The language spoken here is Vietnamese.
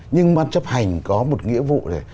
nhưng bàn chấp hành có một nghĩa vụ